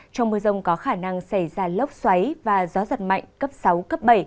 trong mưa rông có khả năng xảy ra lốc xoáy và gió giật mạnh cấp sáu cấp bảy